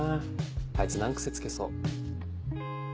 あいつ難癖つけそう。